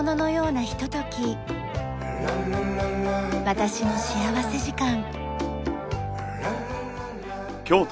『私の幸福時間』。